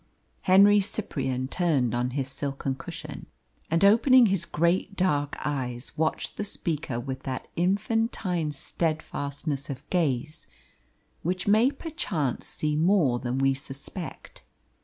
Henry Cyprian turned on his silken cushion, and opening his great dark eyes watched the speaker with that infantine steadfastness of gaze which may perchance see more than we suspect.